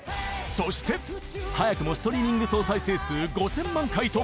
そして早くもストリーミング総再生数５０００万回突破！